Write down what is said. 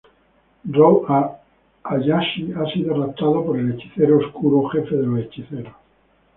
Rou Hayashi ha sido raptado por el hechicero oscuro, jefe de los hechiceros.